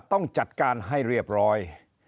ต้องจัดการให้เรียบร้อย